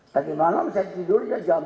tadi malam saya tidur jam tiga